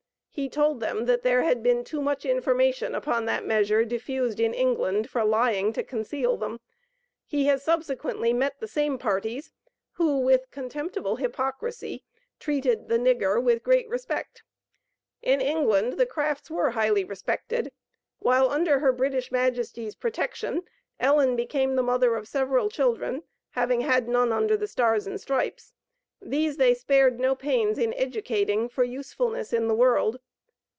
He told them that there had been too much information upon that measure diffused in England for lying to conceal them. He has subsequently met the same parties, who, with contemptible hypocrisy, treated "the nigger" with great respect. In England the Crafts were highly respected. While under her British Majesty's protection, Ellen became the mother of several children, (having had none under the stars and stripes). These they spared no pains in educating for usefulness in the world.